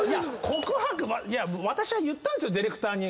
私は言ったんですよディレクターに。